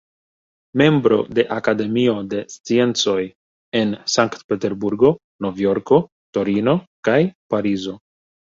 Membro de Akademio de Sciencoj en Sankt-Peterburgo, Nov-Jorko, Torino kaj Parizo.